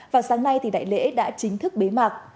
vào sáng nay đại lễ đã chính thức bế mạc